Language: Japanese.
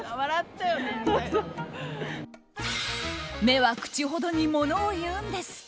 目は口ほどにものを言うんです。